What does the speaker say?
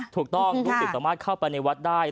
ลูกศิษย์สามารถเข้าไปในวัดได้